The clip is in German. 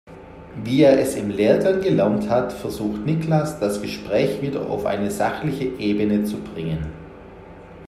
Wie er es im Lehrgang gelernt hat, versucht Niklas das Gespräch wieder auf eine sachliche Ebene zu bringen.